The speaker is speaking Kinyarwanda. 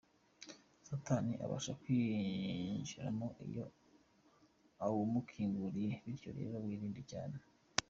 Satani abasha kuwinjiramo iyo uwumukinguriye, bityo rero wurinde cyane.